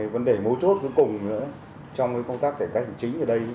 vấn đề mối chốt cuối cùng trong công tác cải cách hành chính ở đây